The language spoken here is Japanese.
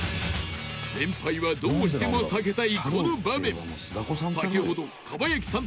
連敗は、どうしても避けたいこの場面先ほど蒲焼さん